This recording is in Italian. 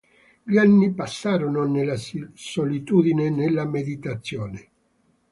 Gli anni passarono nella solitudine e nella meditazione.